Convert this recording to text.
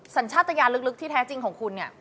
สัญชาติยานลึกที่แท้จริงของคุณเนี่ย